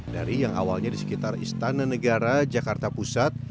dari yang awalnya di sekitar istana negara jakarta pusat